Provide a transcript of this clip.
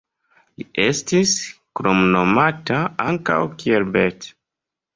Li estis kromnomata ankaŭ kiel Bert.